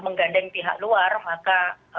menggandeng pihak luar maka